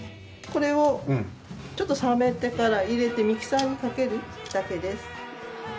これをちょっと冷めてから入れてミキサーにかけるだけです。